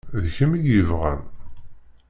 D kemm i yebɣan.